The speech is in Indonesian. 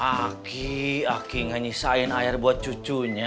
aki aki gak nyisain air buat cucunya